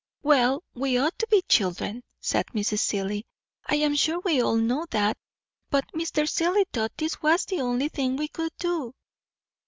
"Well, we ought to be children," said Mrs. Seelye; "I am sure we all know that. But Mr. Seelye thought this was the only thing we could do."